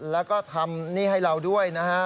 แล้วก็ทำหนี้ให้เราด้วยนะฮะ